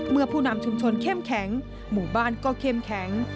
ผู้นำชุมชนเข้มแข็งหมู่บ้านก็เข้มแข็ง